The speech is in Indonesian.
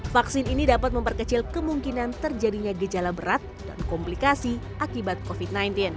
vaksin ini dapat memperkecil kemungkinan terjadinya gejala berat dan komplikasi akibat covid sembilan belas